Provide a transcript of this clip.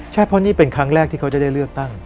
ใช่เพราะนี่เป็นครั้งแรกที่เขาจะได้เลือกตั้ง